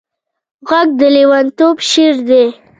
غږ د لېونتوب شعر دی